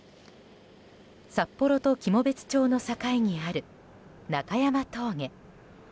札幌と喜茂別町の境にある中山峠。